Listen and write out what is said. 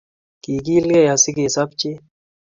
Kigiilgei asigesopche---